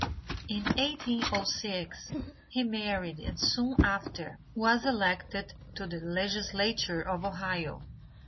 In 1806 he married and soon after was elected to the legislature of Ohio.